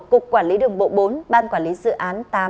cục quản lý đường bộ bốn ban quản lý dự án tám